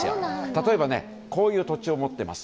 例えばこういう土地を持っています。